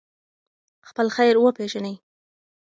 خپل خیر وپېژنئ.